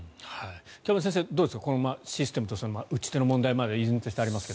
北村先生、どうですかシステムとしての打ち手の問題は依然としてありますが。